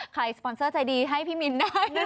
ใครสปอนเซอร์ใจดีให้พี่มินได้